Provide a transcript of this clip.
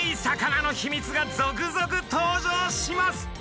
魚のヒミツが続々登場します！